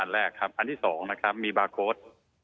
แรกครับอันที่๒นะครับมีบาร์โค้ด